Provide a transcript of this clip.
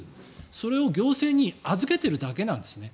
それを行政に預けてるだけなんですね。